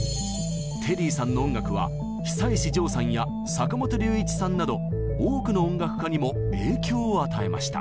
テリーさんの音楽は久石譲さんや坂本龍一さんなど多くの音楽家にも影響を与えました。